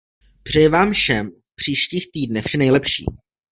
Přeji vám všem v příštích týdnech vše nejlepší.